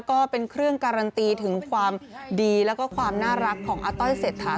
ก็เป็นเครื่องการันตีถึงความดีแล้วก็ความน่ารักของอาต้อยเศรษฐา